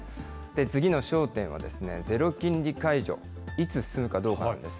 次の焦点は、ゼロ金利解除、いつ進むかどうかなんです。